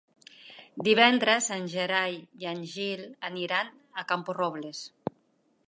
Divendres en Gerai i en Gil aniran a Camporrobles.